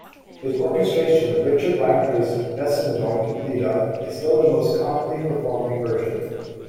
His orchestration of Richard Wagner's "Wesendonck Lieder" is still the most commonly performed version.